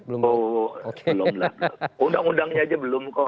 belum lah undang undangnya aja belum kok